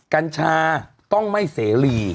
กัญชาต้องไม่เสรี